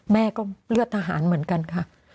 แม่ก็เลือดทหารเหมือนกันค่ะ